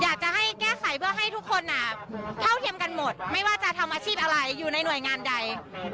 อยากจะให้แก้ไขเพื่อให้ทุกคนเท่าเทียมกันหมดไม่ว่าจะทำอาชีพอะไรอยู่ในหน่วยงานใด